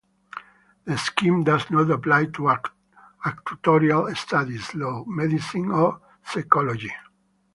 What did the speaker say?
The scheme does not apply to actuarial studies, law, medicine, or psychology.